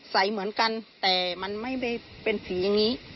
ใส่เหมือนกันแต่มันไม่ได้เป็นผีอย่างนี้